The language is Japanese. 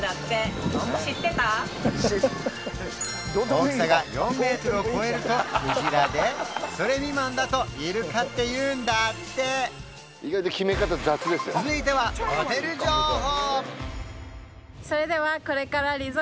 大きさが４メートルを超えるとクジラでそれ未満だとイルカっていうんだって続いてはホテル情報！